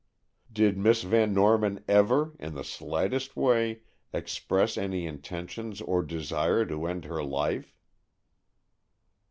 "Did Miss Van Norman ever, in the slightest way, express any intention or desire to end her life?"